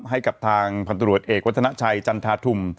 ให้กับทางพันธุรกิจเอกวัฒนาชัยจันทาธุม